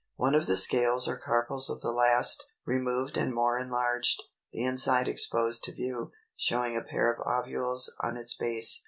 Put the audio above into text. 339. One of the scales or carpels of the last, removed and more enlarged, the inside exposed to view, showing a pair of ovules on its base.